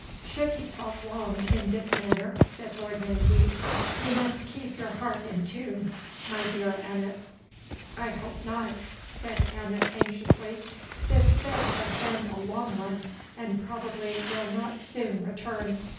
"Should he talk long in this manner," said Lord Menteith, "you must keep your harp in tune, my dear Annot." "I hope not," said Annot, anxiously; "this fit has been a long one, and probably will not soon return.